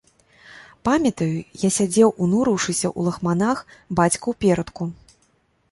Памятаю, я сядзеў унурыўшыся, у лахманах, бацька ў перадку.